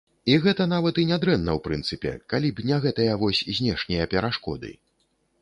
І гэта нават і нядрэнна ў прынцыпе, калі б не гэтыя вось знешнія перашкоды.